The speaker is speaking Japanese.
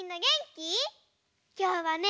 きょうはね